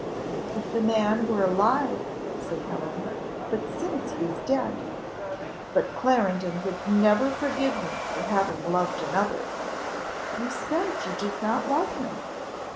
"If the man were alive," said Helen, "but since he is dead " "But Clarendon would never forgive me for having loved another " "You said you did not love him."